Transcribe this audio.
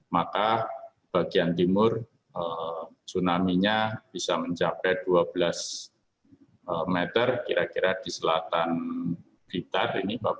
maka bagian timur tsunaminya bisa mencapai dua belas meter kira kira di selatan bintar